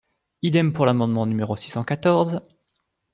Idem pour l’amendement numéro six cent quatorze.